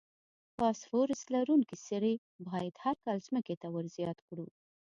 فاسفورس لرونکي سرې باید هر کال ځمکې ته ور زیات کړو.